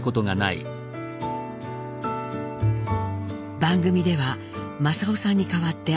番組では正雄さんに代わってアメリカへ。